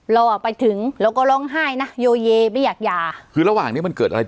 เราอ่ะไปถึงเราก็ร้องไห้นะโยเยไม่อยากหย่าคือระหว่างเนี้ยมันเกิดอะไร